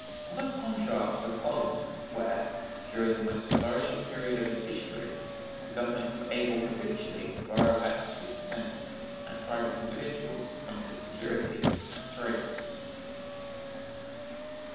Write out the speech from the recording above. What a contrast with Holland, where, during the most flourishing period of its history, the government was able habitually to borrow at two per cent, and private individuals, on good security, at three!